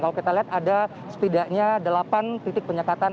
kalau kita lihat ada setidaknya delapan titik penyekatan